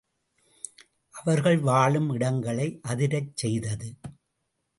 அவர்கள் வாழும் இடங்களை அதிரச் செய்தது.